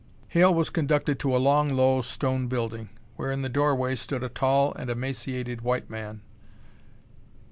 Hale was conducted to a long, low stone building, where, in the doorway, stood a tall and emaciated white man.